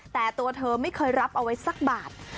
แต่ตัวเธอไม่เคยรับเอาไว้สักบาท